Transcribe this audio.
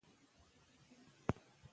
نجونې به تر هغه وخته پورې اخبارونه لولي.